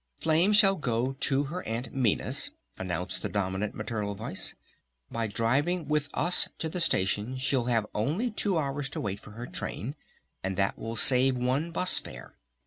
"Flame shall go to her Aunt Minna's" announced the dominant maternal voice. "By driving with us to the station, she'll have only two hours to wait for her train, and that will save one bus fare!